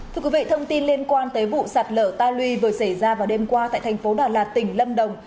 thưa quý vị thông tin liên quan tới vụ sạt lở ta luy vừa xảy ra vào đêm qua tại thành phố đà lạt tỉnh lâm đồng